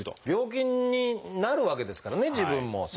病気になるわけですからね自分も。